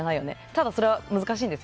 ただ、それは難しいんです。